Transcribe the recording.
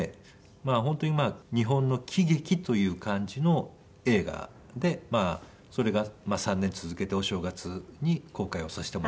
本当にまあ日本の喜劇という感じの映画でそれが３年続けてお正月に公開をさせてもらう。